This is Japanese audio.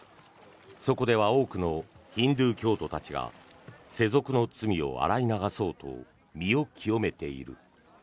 そこでは多くのヒンドゥー教徒たちが世俗の罪を洗い流そうと身を清めている。